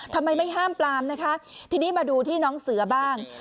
ทำไมไม่ห้ามปลามนะคะทีนี้มาดูที่น้องเสือบ้าง